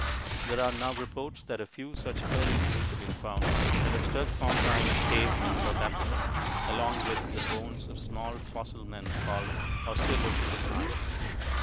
There are now reports that a few such early tools have been found at the Sterkfontein cave in South Africa along with the bones of small fossil men called "australopithecines."